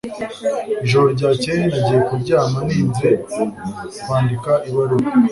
Ijoro ryakeye nagiye kuryama ntinze kwandika ibaruwa